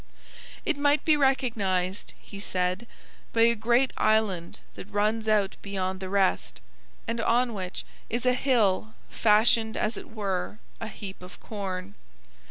It might be recognized, he said, by a great island that runs out beyond the rest and on which is 'an hill fashioned as it were an heap of corn.'